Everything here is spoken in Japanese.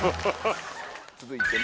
続いて。